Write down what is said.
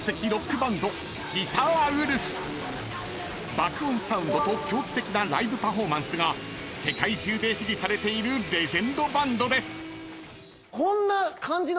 ［爆音サウンドと狂気的なライブパフォーマンスが世界中で支持されているレジェンドバンドです］